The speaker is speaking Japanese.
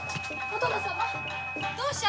お殿様。